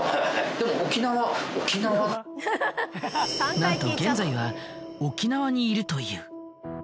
なんと現在は沖縄にいるという。